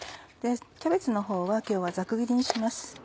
キャベツの方は今日はざく切りにします。